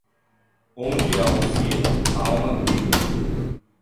Onde há um sino, há uma briga.